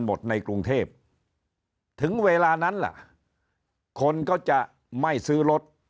หมดในกรุงเทพถึงเวลานั้นล่ะคนก็จะไม่ซื้อรถ